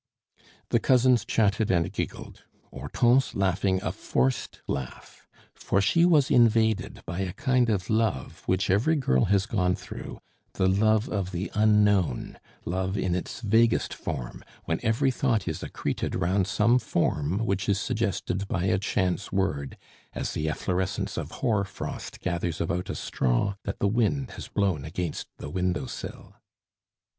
The cousins chatted and giggled; Hortense laughing a forced laugh, for she was invaded by a kind of love which every girl has gone through the love of the unknown, love in its vaguest form, when every thought is accreted round some form which is suggested by a chance word, as the efflorescence of hoar frost gathers about a straw that the wind has blown against the window sill.